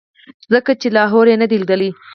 ځکه چې لاهور یې نه دی لیدلی.